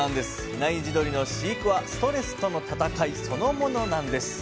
比内地鶏の飼育はストレスとの戦いそのものなんです。